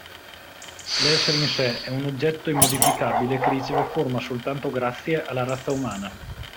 L'essere in sé è un oggetto immodificabile che riceve forma soltanto grazie alla razza umana.